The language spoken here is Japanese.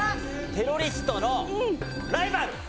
『テロリストのライバル』！